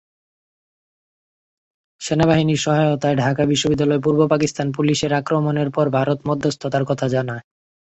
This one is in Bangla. সেনাবাহিনীর সহায়তায় ঢাকা বিশ্ববিদ্যালয়ে পূর্ব পাকিস্তান পুলিশের আক্রমণের পর ভারত মধ্যস্থতার কথা জানায়।